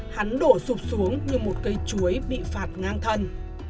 hắn đổ sụp xuống như một cây chuối bị phạt ngang thân